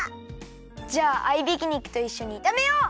じゃあ合いびき肉といっしょにいためよう！